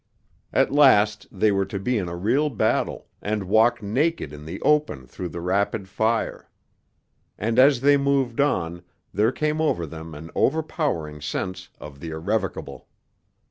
At last they were to be in a real battle, and walk naked in the open through the rapid fire. And as they moved on, there came over them an overpowering sense of the irrevocable.